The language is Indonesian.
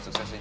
oke yuk yuk